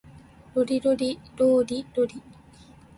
ロリロリローリロリ